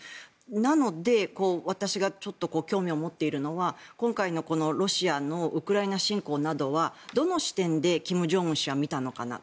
なので私が興味を持っているのは今回のこのロシアのウクライナ侵攻などはどの視点で金正恩氏は見たのかな。